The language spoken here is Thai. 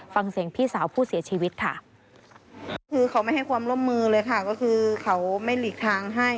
ฟังเสียงพี่สาวผู้เสียชีวิตค่ะ